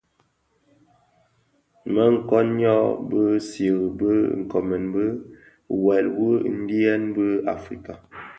Më koň ňyô bi siri bë nkoomèn bë, wuèl wu ndiňyèn bi Africa.